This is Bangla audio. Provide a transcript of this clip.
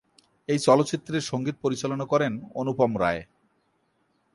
এই চলচ্চিত্রের সংগীত পরিচালনা করেন অনুপম রায়।